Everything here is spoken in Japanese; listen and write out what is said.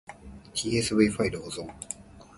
tsv ファイル保存